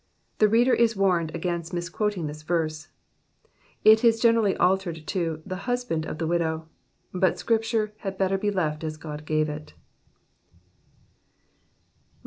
The reader is warned against mis quoting this verse ; it is generally altered into ''the husband of the widow," but Scriptuie had better be left as God gave it.